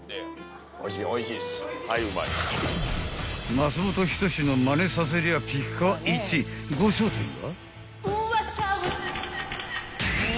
［松本人志のまねさせりゃピカイチご正体は？］